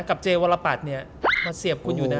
กับเจวรปัตรเนี่ยเขาเสียบคุณอยู่นะ